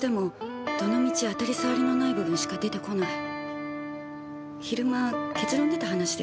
当たり障りのない部分しか出てこない昼間結論出た話でしょ。